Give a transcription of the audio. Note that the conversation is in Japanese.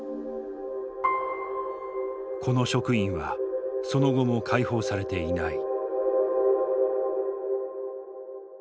この職員はその後も解放されていない。